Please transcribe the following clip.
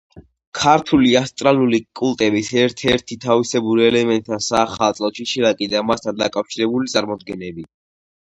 ქართული ასტრალური კულტების ერთ-ერთი თავისებური ელემენტთა საახალწლო ჩიჩილაკი და მასთან დაკავშირებული წარმოდგენები.